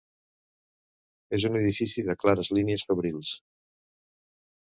És un edifici de clares línies fabrils.